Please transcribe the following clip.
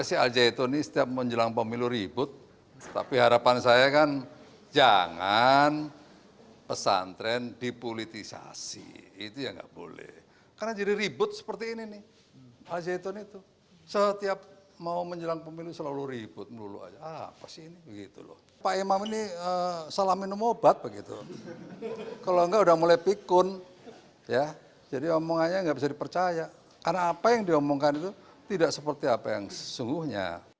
ia juga mengaku heran polemik al zaitun ini selalu muncul menjelang pemilu dan menyayangkan politisasi terhadap pesantren